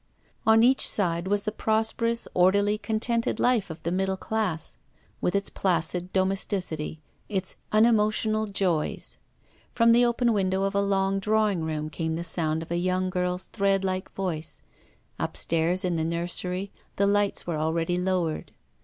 On each side was the prosperous, orderly, contented life of the middle class, with its placid domesticity, its unemotional joys. From the open window of a long draw ing room came the sound of a young girl's threadlike voice. Upstairs in the nursery the lights were already lowered.